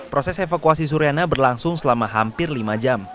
proses evakuasi suriana berlangsung selama hampir lima jam